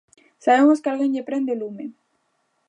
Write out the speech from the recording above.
Sabemos que alguén lle prende o lume.